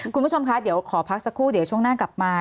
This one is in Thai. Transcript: คุณผู้ชมคะเดี๋ยวขอพักสักครู่เดี๋ยวช่วงหน้ากลับมา